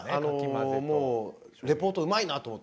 レポート、うまいなと思って。